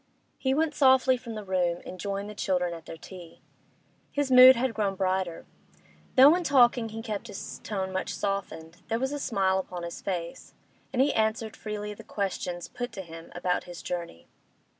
He went softly from the room, and joined the children at their tea. His mood had grown brighter. Though in talking he kept his tone much softened, there was a smile upon his face, and he answered freely the questions put to him about his journey.